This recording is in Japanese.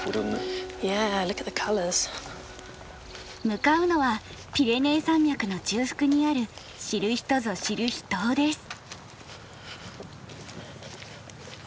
向かうのはピレネー山脈の中腹にある知る人ぞ知る秘湯です。